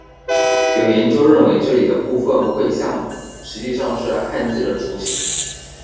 有研究认为这里的部分绘像实际上是汉字的雏形。